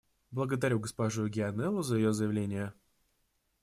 Благодарю госпожу Гианнеллу за ее заявление.